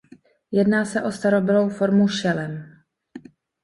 Jedná se o starobylou formu šelem.